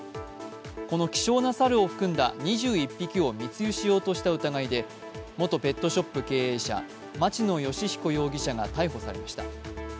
この希少な猿を含んだ２１匹を密輸しようとした疑いで元ペットショップ経営者、町野義彦容疑者が逮捕されました。